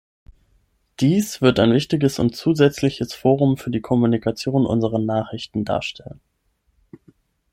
Dies wird ein wichtiges und zusätzliches Forum für die Kommunikation unserer Nachrichten darstellen.